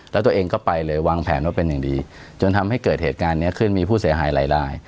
แล้วตัวเองก็ไปเลยวางแผนว่าเป็นอย่างดีจนทำให้เกิดเหตุการณ์นี้ขึ้นมีผู้เสียหายหลายลาย